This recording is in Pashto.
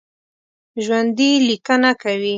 ژوندي لیکنه کوي